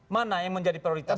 mana yang menjadi prioritas